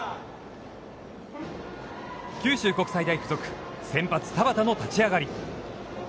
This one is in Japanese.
九州国際大付属、先発、田端の立ち上がり。